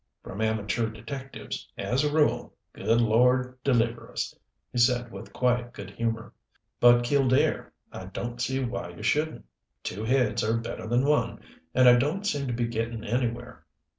"From amateur detectives, as a rule Good Lord deliver us," he said with quiet good humor. "But Killdare I don't see why you shouldn't. Two heads are better than one and I don't seem to be getting anywhere.